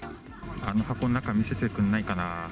あの箱の中、見せてくれないかな。